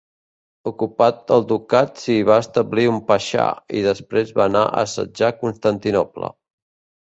Ocupat el ducat s'hi va establir un paixà i després va anar a assetjar Constantinoble.